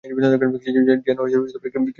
যেন কেউ-একজন ঢুকেছে এ ঘরে।